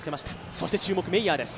そして注目、メイヤーです。